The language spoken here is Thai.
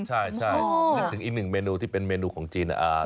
ใช่นึกถึงอีกหนึ่งเมนูที่เป็นเมนูของจีน